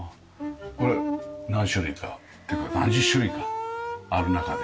これ何種類かっていうか何十種類かある中で。